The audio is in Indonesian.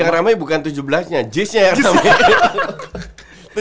yang rame bukan tujuh belas nya jizz nya yang rame